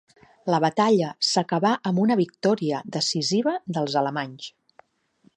La batalla s'acabà amb una victòria decisiva dels alemanys.